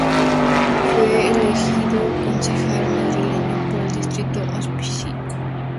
Fue elegido concejal madrileño por el distrito de Hospicio.